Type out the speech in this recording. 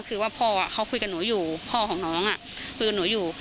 คือว่าพ่อเขาคุยกับหนูอยู่พ่อของน้องคุยกับหนูอยู่